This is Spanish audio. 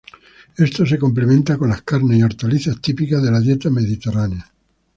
Esto se complementa con las carnes y hortalizas típicas de la dieta mediterránea.